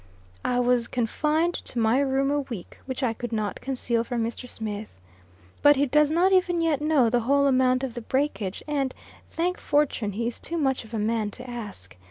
I was confined to my room a week which I could not conceal from Mr. Smith. But he does not even yet know the whole amount of the breakage, and, thank fortune, he is too much of a man to ask.